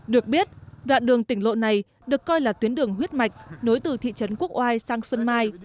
được biết đoạn đường tỉnh lộ này được coi là tuyến đường huyết mạch nối từ thị trấn quốc oai sang xuân mai